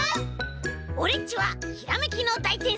オレっちはひらめきのだいてんさい！